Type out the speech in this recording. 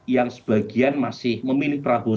yang sebagian masih memilih prabowo